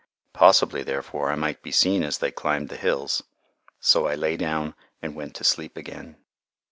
Possibly, therefore, I might be seen as they climbed the hills. So I lay down, and went to sleep again.